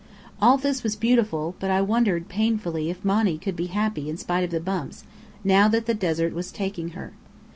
All this was beautiful; but I wondered painfully if Monny could be happy in spite of the bumps, now that the desert was taking her.